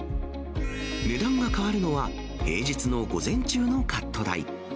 値段が変わるのは、平日の午前中のカット代。